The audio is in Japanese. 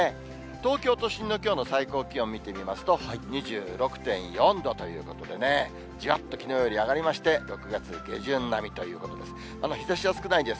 東京都心のきょうの最高気温見てみますと、２６．４度ということでね、じわっときのうより上がりまして、６月下旬並みということです。